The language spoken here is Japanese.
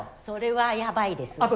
それはやばいです。